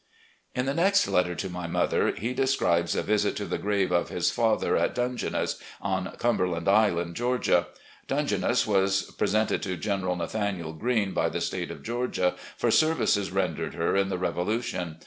In the next letter to my mother he describes a visit to the grave of his father at Dungeness, on Cumberland Island, Georgia. Dungeness was presented to General Nathaniel Green by the State of Georgia for services ren dered her in the Revolution.